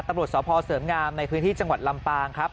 ตำรวจสพเสริมงามในพื้นที่จังหวัดลำปางครับ